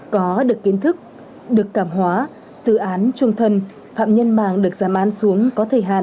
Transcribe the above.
có được kiến thức được cảm hóa từ án trung thân phạm nhân màng được giảm án xuống có thời hạn